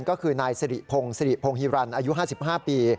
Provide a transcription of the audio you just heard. ก็คือนายสิริพงฮิรันทร์อายุ๕๕ปี